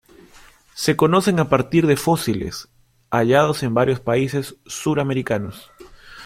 Se conocen a partir de fósiles hallados en varios países suramericanos.